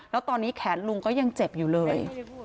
แล้วตอนนี้แขนลุงก็ยังเจ็บอยู่เลย